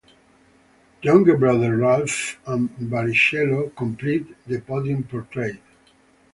Younger brother Ralf, and Barrichello completed the podium portrait.